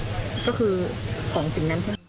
ก็คือของสิ่งนั้นใช่ไหม